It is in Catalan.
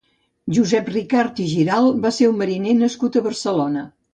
Josep Ricart i Giralt va ser un mariner nascut a Barcelona.